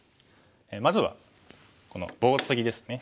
まずはこの棒ツギですね。